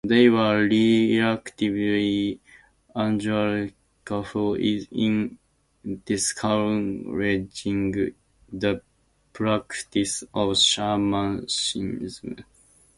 They were relatively unsuccessful in discouraging the practice of shamanism.